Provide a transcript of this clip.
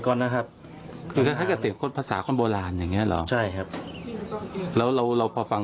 ก่อนนะครับภาษาคนโบราณอย่างนี้หรอใช่ครับแล้วเราพอฟัง